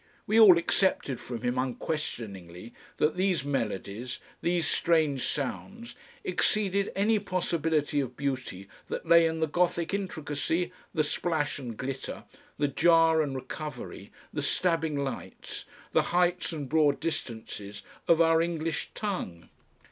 We all accepted from him unquestioningly that these melodies, these strange sounds, exceeded any possibility of beauty that lay in the Gothic intricacy, the splash and glitter, the jar and recovery, the stabbing lights, the heights and broad distances of our English tongue.